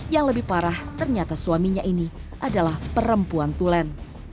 yang lebih parah ternyata suaminya ini adalah perempuan tulen